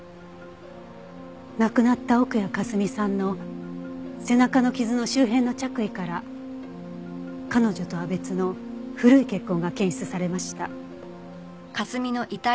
亡くなった奥谷香澄さんの背中の傷の周辺の着衣から彼女とは別の古い血痕が検出されました。